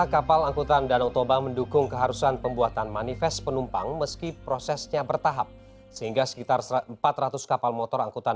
kepanikan itu semakin mencekam saat penumpang lain mencoba mencari pertolongan